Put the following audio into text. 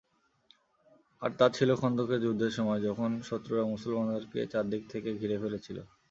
আর তা ছিল খন্দকের যুদ্ধের সময়, যখন শত্রুরা মুসলমানদেরকে চারদিক থেকে ঘিরে ফেলেছিল।